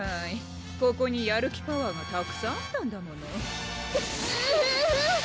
ここにやる気パワーがたくさんあったんだものクゥ！